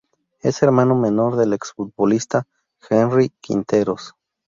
Es hermano menor del ex futbolista Henry Quinteros.